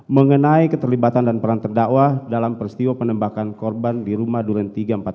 mengenai keterlibatan dan peran terdakwa dalam peristiwa penembakan korban di rumah duren tiga ratus empat puluh